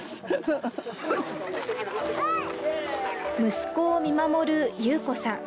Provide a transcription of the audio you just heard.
息子を見守る悠子さん。